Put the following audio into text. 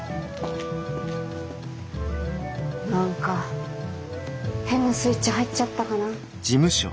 何か変なスイッチ入っちゃったかな。